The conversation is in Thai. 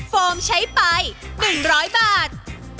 โฟมใช้ไป๑๐๐บาท